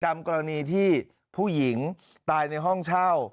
กรณีที่ผู้หญิงตายในห้องเช่า